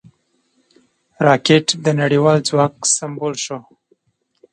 راکټ د نړیوال ځواک سمبول شو